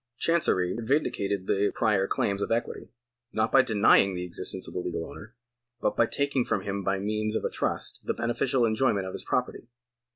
Chancery vindicated the prior claims of equity, not by denying the existence of the legal owner, but by taking from him by means of a trust the beneficial enjoy ment of his property.